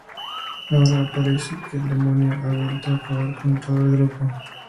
Ahora parece que el demonio ha vuelto para acabar con todo el grupo.